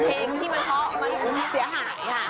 เพลงที่มันเค้าเอามาลุ้นเสียหาย